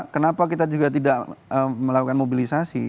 kenapa kita juga tidak melakukan mobilisasi